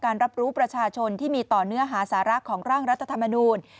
รับรู้ประชาชนที่มีต่อเนื้อหาสาระของร่างรัฐธรรมนูล